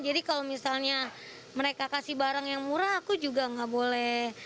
jadi kalau misalnya mereka kasih barang yang murah aku juga gak boleh